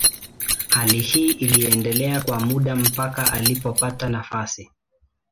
Hali hii iliendelea kwa muda mpaka alipopata nafasi.